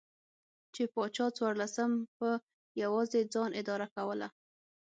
چې پاچا څوارلسم په یوازې ځان اداره کوله.